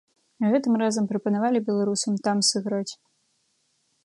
Гэтым разам прапанавалі беларусам там сыграць.